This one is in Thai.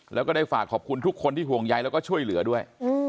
แล้วก็ได้ฝากขอบคุณทุกคนที่ห่วงใยแล้วก็ช่วยเหลือด้วย